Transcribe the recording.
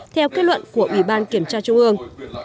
theo kết luận của ủy ban kiểm tra trung ương